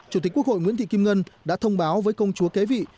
chủ tịch quốc hội nguyễn thị kim ngân đã thông báo với công chúa kế vị